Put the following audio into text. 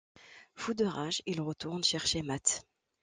Fou de rage, il retourne chercher Matt.